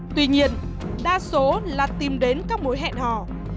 tuy nhiên đa số là tìm đến các mối hẹn hò